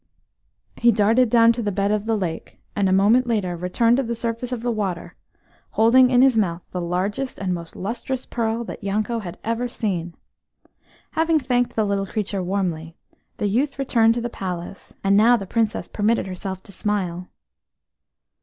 He darted down to the bed of the lake, and a moment later returned to the surface of the water, holding in his mouth the largest and most lustrous pearl that Yanko had ever seen. Having thanked the little creature warmly, the youth returned to the palace; and now the Princess permitted herself to smile.